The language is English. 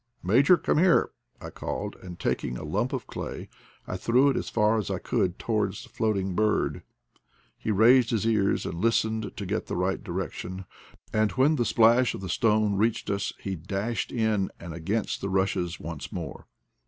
'' Major, come here, " I called, and, taking a lump of clay I threw it as far as I could towards the floating bird. He raised his ears, and listened to get the right direction, and when the splash of the stone reached us he dashed in and against the rushes once more.